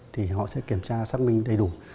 thì họ sẽ kiểm tra xác minh đầy đủ